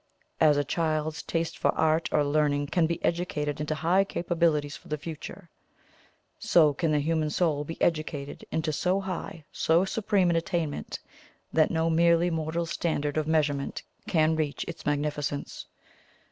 As a child's taste for art or learning can be educated into high capabilities for the future, so can the human Soul be educated into so high, so supreme an attainment, that no merely mortal standard of measurement can reach its magnificence.